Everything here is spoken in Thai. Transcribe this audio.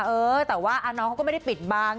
เออแต่ว่าน้องเขาก็ไม่ได้ปิดบัง